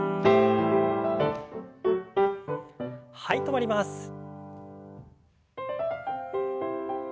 はい止まります。